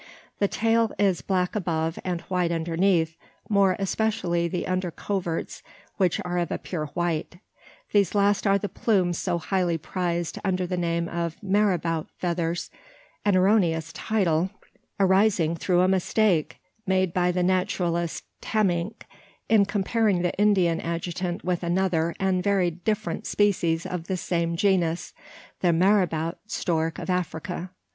The tail is black above and white underneath more especially the under coverts, which are of a pure white. These last are the plumes so highly prized under the name of "marabout feathers," an erroneous title, arising through a mistake made by the naturalist Temminck in comparing the Indian adjutant with another and very different species of the same genus the marabout stork of Africa.